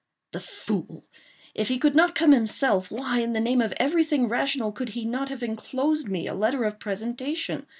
The fool! if he could not come himself, why, in the name of every thing rational, could he not have enclosed me a letter of presentation?